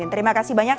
terima kasih banyak